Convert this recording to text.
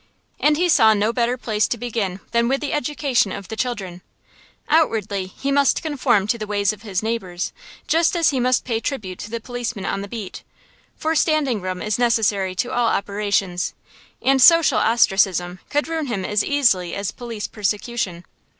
And he saw no better place to begin than with the education of the children. Outwardly he must conform to the ways of his neighbors, just as he must pay tribute to the policeman on the beat; for standing room is necessary to all operations, and social ostracism could ruin him as easily as police persecution.